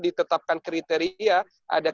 ditetapkan kriteria ada